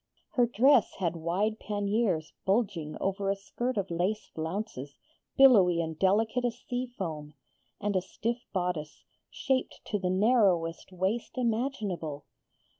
Her dress had wide panniers bulging over a skirt of lace flounces, billowy and delicate as sea foam, and a stiff bodice, shaped to the narrowest waist imaginable.